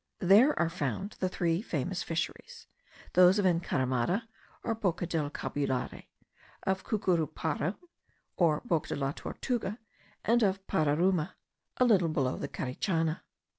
There are found the three famous fisheries; those of Encaramada, or Boca del Cabullare; of Cucuruparu, or Boca de la Tortuga; and of Pararuma, a little below Carichana.